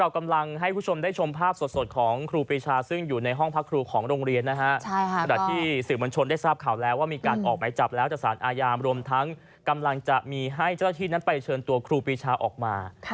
กำลังจะมีให้เจ้าที่นั้นไปเชิญตัวครูปีชาออกมา